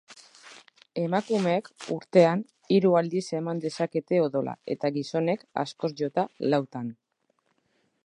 Emakumeek, urtean, hiru aldiz eman dezakete odola eta gizonek, askoz jota, lautan.